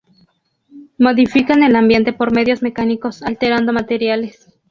Modifican el ambiente por medios mecánicos alterando materiales.